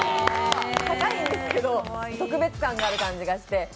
高いんですけど、特別感がある感じがして。